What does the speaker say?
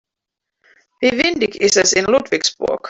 Wie windig ist es in Ludwigsburg?